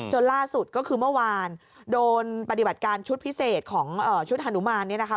ล่าสุดก็คือเมื่อวานโดนปฏิบัติการชุดพิเศษของชุดฮานุมานเนี่ยนะคะ